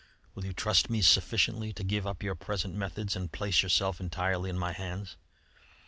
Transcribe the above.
Will you trust me sufficiently to give up your present methods and place yourself entirely in my hands?